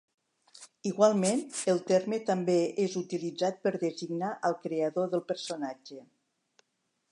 Igualment, el terme també és utilitzat per designar al creador del personatge.